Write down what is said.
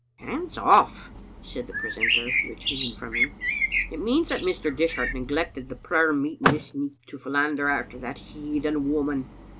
'' Hands off," said the precentor, retreating from him. " It means that Mr. Dishart neglected the prayer meet ing this nicht to philander after that heathen woman."